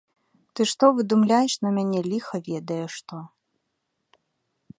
Ты што выдумляеш на мяне ліха ведае што.